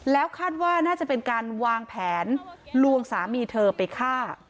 แล้วคาดว่าน่าจะเป็นการวางแผนลวงสามีเธอไปฆ่า